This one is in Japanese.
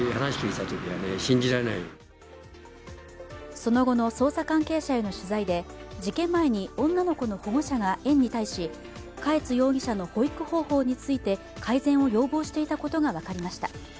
その後の捜査関係者への取材で、事件前に女の子の保護者が園に対し嘉悦容疑者の保育方法について改善を要望していたことが分かりました。